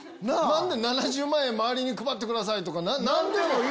「７０万円周りに配ってください」とか何でも。